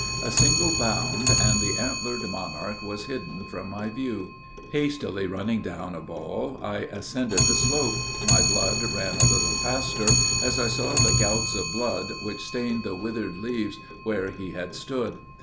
A single bound, and the antlered monarch was hidden from my view. Hastily running down a ball, I ascended the slope; my blood ran a little faster as I saw the gouts of blood' which stained the withered leaves where he had stood.